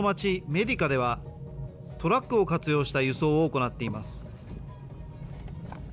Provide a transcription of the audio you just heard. メディカではトラックを活用した輸送を行っています。